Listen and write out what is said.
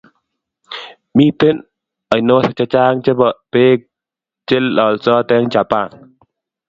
mito oinosiek che chang chebo beek che lolsot eng' Japan